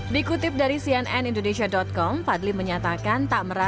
dikutip dari cnn indonesia com fadli menyatakan